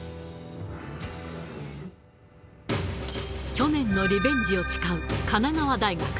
去年のリベンジを誓う神奈川大学。